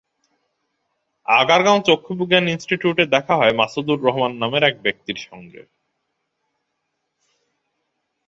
আগারগাঁও চক্ষুবিজ্ঞান ইনস্টিটিউটে দেখা হয়, মাসুদুর রহমান নামের এক ব্যক্তির সঙ্গে।